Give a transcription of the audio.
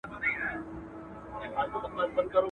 چي لو ډبره اخلي، هغه جنگ نکوي.